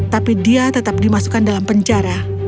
tapi dia tetap dimasukkan dalam penjara